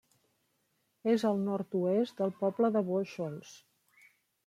És al nord-oest del poble de Bóixols.